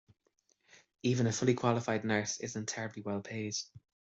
Even a fully qualified nurse isn’t terribly well paid.